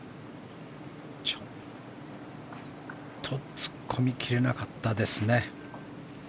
ちょっと突っ込み切れなかったですね。